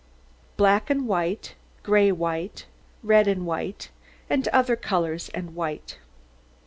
] BLACK AND WHITE, GRAY WHITE, RED AND WHITE, AND OTHER COLOURS AND WHITE.